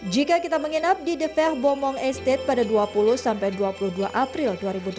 jika kita menginap di the fair bom mong estate pada dua puluh sampai dua puluh dua april dua ribu delapan belas